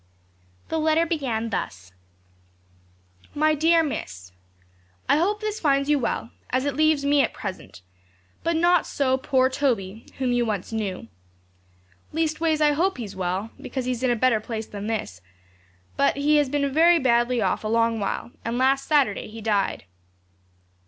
The letter began thus 'My dear Miss, 'I hope this finds you well, as it leaves me at present; but not so poor Toby, who once you knew. Leastways, I hope he is well, because he is in a better place than this; but he has been very badly off a long while, and last Saturday he died.